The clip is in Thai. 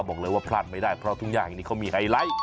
บอกเลยว่าพลาดไม่ได้เพราะทุ่งย่าแห่งนี้เขามีไฮไลท์